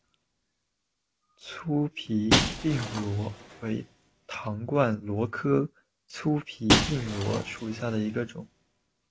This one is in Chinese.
粗皮鬘螺为唐冠螺科粗皮鬘螺属下的一个种。